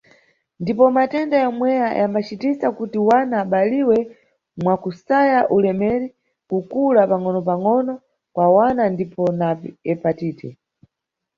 Ndipo matenda yomweya yambacitisa kuti mwana abaliwe mwakusaya ulemeri, kukula pangʼonopangʼono kwa wana ndipo na hepatite.